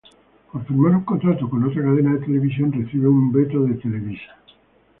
Por firmar un contrato con otra cadena de televisión, recibe un veto de Televisa.